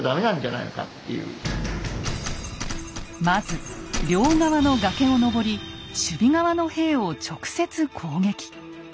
まず両側の崖を登り守備側の兵を直接攻撃。